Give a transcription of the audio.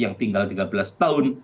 yang tinggal tiga belas tahun